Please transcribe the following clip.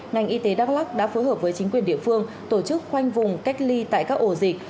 ngành y tế đắk lắc đã phối hợp với chính quyền địa phương tổ chức khoanh vùng cách ly tại các ổ dịch